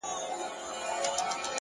هوښیار انسان د خبرو اغېز سنجوي!